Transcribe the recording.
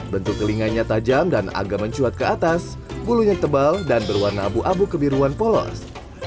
bentuk telinganya tajam dan agak mencuat ke atas bulunya tebal dan berwarna abu abu kebiruan polos